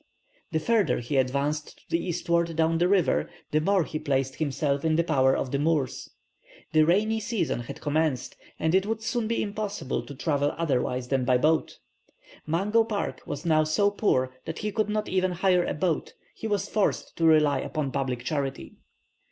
The further he advanced to the eastward down the river, the more he placed himself in the power of the Moors. The rainy season had commenced, and it would soon be impossible to travel otherwise than by boat. Mungo Park was now so poor that he could not even hire a boat; he was forced to rely upon public charity.